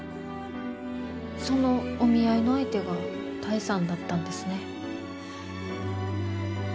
そのお見合いの相手が多江さんだったんですね。